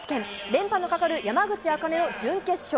連覇のかかる山口茜の準決勝。